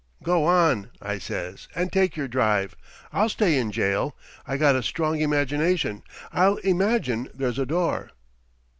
"'Go on,' I says, 'and take your drive. I'll stay in jail. I got a strong imagination. I'll imagine there's a door.'